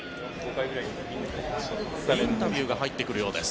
インタビューが入ってくるようです。